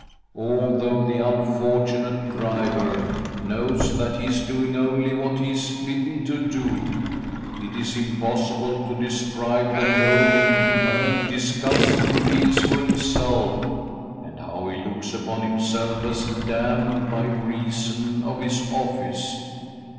Although the unfortunate driver knows that he is doing only what he is bidden to do, it is impossible to describe the loathing and disgust he feels for himself, and how he looks upon himself as damned by reason of his office.